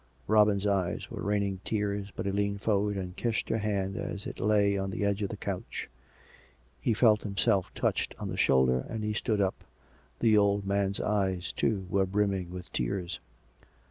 Robin's eyes were raining tears, but he leaned forward and kissed her hand as it lay on the edge of the couch. He felt himself touched on the shoulder, and he stood up. The old man's eyes, too, were brimming with tears.